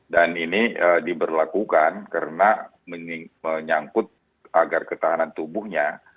dan ini diberlakukan karena menyangkut agar ketahanan tubuhnya